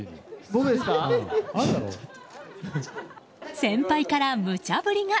先輩からむちゃ振りが。